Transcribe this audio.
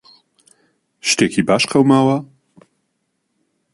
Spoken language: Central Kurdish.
شتێکی باش قەوماوە؟